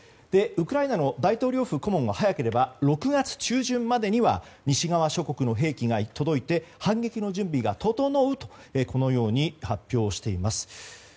ウクライナの大統領府顧問は早ければ６月中旬までには西側諸国の兵器が届いて反撃の準備が整うと発表しています。